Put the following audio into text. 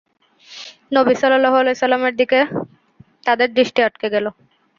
নবী সাল্লাল্লাহু আলাইহি ওয়াসাল্লামের দিকে তাঁদের দৃষ্টি আটকে গেল।